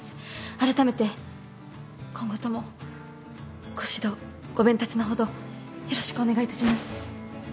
あらためて今後ともご指導ご鞭撻のほどよろしくお願いいたします。